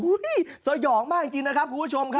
สยองมากจริงนะครับคุณผู้ชมครับ